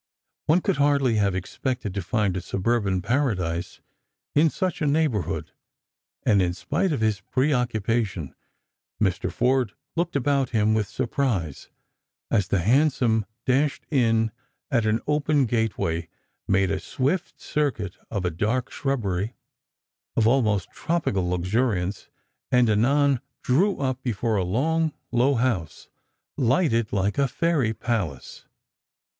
One could hardly have expected to find i suburban paradise in such a neigh bo uthood ; and in spite of 206 Strangerg and PilgritM. his preoccnpation, Mr. Forde looked about him with surprise ai the hansom dashed in at an open gateway, made a swift circuit of a dark sk rubbery of almost tropical luxuriance, and anon drew up before a long low house, lighted like a fairy palace.